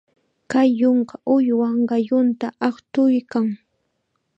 Kay yunka uywa qallunta aqtuykan.